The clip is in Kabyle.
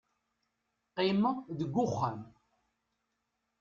qqimeɣ deg uxxam